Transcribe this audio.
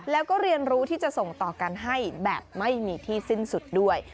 แล้วก็เรียนรู้ที่จะส่งต่อกันให้แบบไม่มีที่สิ้นสุดด้วย